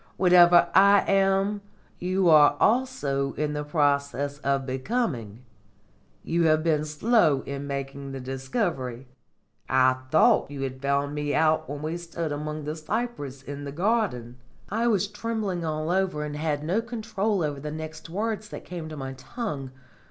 Whatever I am, you are also in process of becoming. You have been slow in making the discovery. I thought you had found me out when we stood among the cypress in the garden." I was trembling all over and had no control over the next words that came to my tongue.